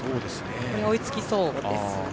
追いつきそうですね。